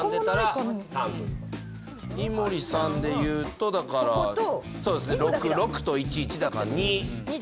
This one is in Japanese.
井森さんでいうと６・６と１・１だから、２。